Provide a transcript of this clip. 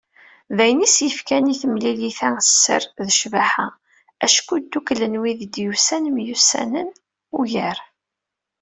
D ayen i as-yefkan i temlilit-a, sser d ccbaḥa, acku ddukklen wid i d-yusan, myussanen ugar.